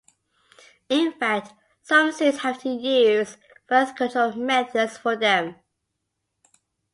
In fact, some zoos have to use birth-control methods for them.